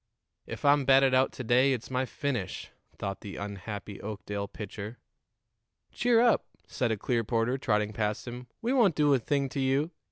"If I'm batted out to day it's my finish," thought the unhappy Oakdale pitcher. "Cheer up," said a Clearporter, trotting past him. "We won't do a thing to you.